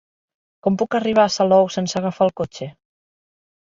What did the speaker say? Com puc arribar a Salou sense agafar el cotxe?